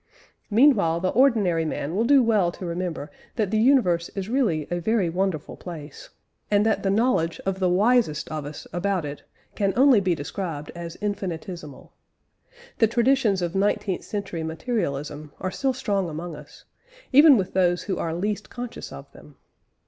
Meanwhile, the ordinary man will do well to remember that the universe is really a very wonderful place, and that the knowledge of the wisest of us about it can only be described as infinitesimal. The traditions of nineteenth century materialism are still strong amongst us, even with those who are least conscious of them.